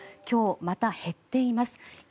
今日、また減っています。